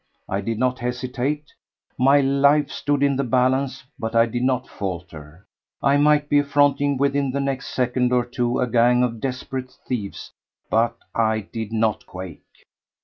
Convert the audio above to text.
I did not hesitate. My life stood in the balance but I did not falter. I might be affronting within the next second or two a gang of desperate thieves, but I did not quake.